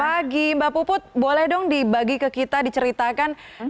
pagi mbak puput boleh dong dibagi ke kita diceritakan